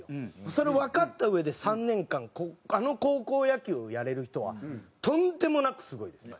それをわかった上で３年間あの高校野球をやれる人はとんでもなくすごいですよ。